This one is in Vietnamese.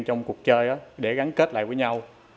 trong cuộc chơi để gắn kết lại với nhau